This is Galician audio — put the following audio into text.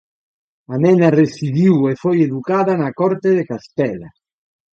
A nena residiu e foi educada na Corte de Castela.